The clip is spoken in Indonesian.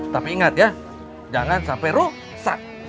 tapi ingat ya jangan sampai rusak